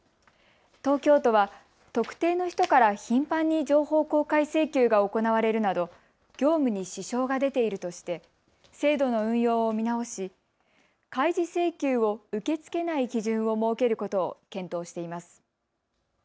東京都は特定の人から頻繁に情報公開請求が行われるなど業務に支障が出ているとして制度の運用を見直し、開示請求を受け付けない基準を設けることを検討しています。